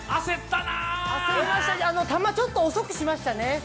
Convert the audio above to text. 焦ったな球ちょっと遅くしましたね。